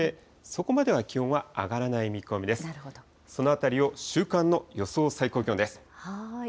そのあたりを週間の予想最高気温です。